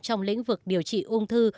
trong lĩnh vực điều trị ung thư